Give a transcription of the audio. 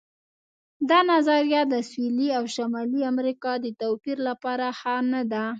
دا نظریه د سویلي او شمالي امریکا د توپیر لپاره ښه نه ده.